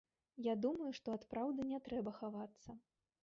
Я думаю, што ад праўды не трэба хавацца.